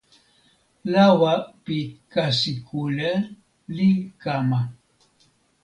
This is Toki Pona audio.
lawa pi kasi kule li kama.